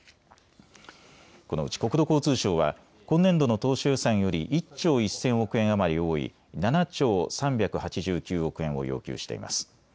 このうち国土交通省は今年度の当初予算より１兆１０００億円余り多い７兆３８９億円を要求しています。